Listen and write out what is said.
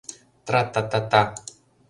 Тра-та-та-та!